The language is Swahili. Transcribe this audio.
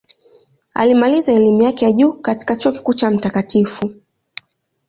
Alimaliza elimu yake ya juu katika Chuo Kikuu cha Mt.